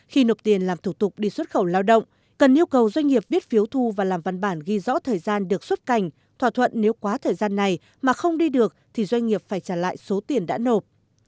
khi nộp tiền làm thủ tục đi xuất khẩu lao động cần yêu cầu doanh nghiệp viết phiếu thu và làm văn bản ghi rõ thời gian được xuất cảnh thỏa thuận nếu quá thời gian này mà không đi được thì doanh nghiệp phải trả lại số tiền đã nộp